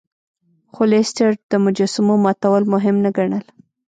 خو لیسټرډ د مجسمو ماتول مهم نه ګڼل.